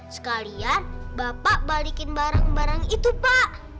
sekalian bapak balikin barang barang itu pak